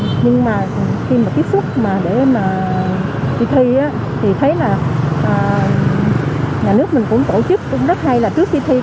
khi mà tiếp xúc mà để mà thi thì thấy là nhà nước mình cũng tổ chức cũng rất hay là trước khi thi